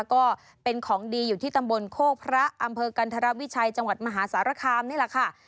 ก็เป็นของดีอยู่ที่ตำบลโคกพระอำเภอกันธรวิชัยจังหวัดมหาสารคามนี่แหละค่ะ